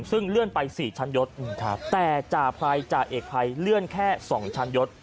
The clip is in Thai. ซึ่งเลื่อนไป๔ชั้นยศแต่จ่าภัยจ่าเอกภัยเลื่อนแค่๒ชั้นยศ